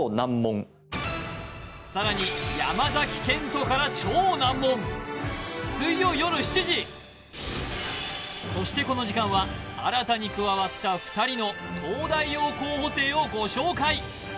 さらに山賢人から超難問そしてこの時間は新たに加わった２人の東大王候補生をご紹介